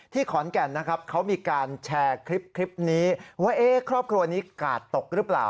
ขอนแก่นนะครับเขามีการแชร์คลิปนี้ว่าครอบครัวนี้กาดตกหรือเปล่า